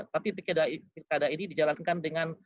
tapi pilkada ini dijalankan dengan